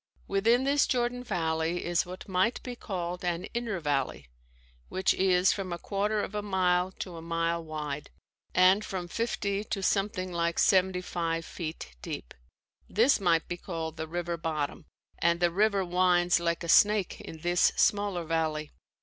Within this Jordan valley is what might be called an inner valley which is from a quarter of a mile to a mile wide, and from fifty to something like seventy five feet deep. This might be called the river bottom and the river winds like a snake in this smaller valley.